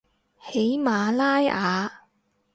喜马拉雅